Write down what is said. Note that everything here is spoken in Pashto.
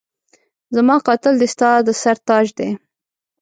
زما قاتل دی ستا د سر تاج دی